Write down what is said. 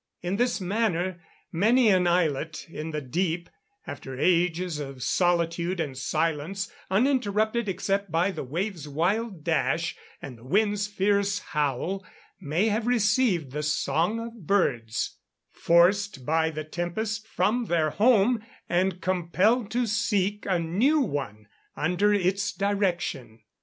In this manner, many an islet in the deep, after ages of solitude and silence, uninterrupted except by the wave's wild dash, and the wind's fierce howl, may have received the song of birds, forced by the tempest from their home, and compelled to seek a new one under its direction.